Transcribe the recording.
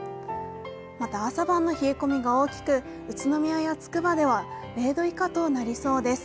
また朝晩の冷え込みが大きく、宇都宮や筑波では０度以下となりそうです。